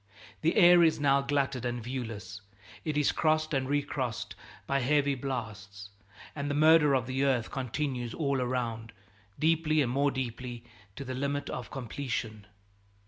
The air is now glutted and viewless, it is crossed and recrossed by heavy blasts, and the murder of the earth continues all around, deeply and more deeply, to the limit of completion.